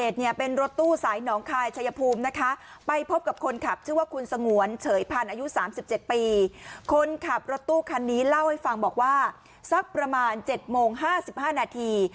ทุกคันนี้เล่าให้ฟังบอกว่าสักประมาณ๗โมง๕๕นาที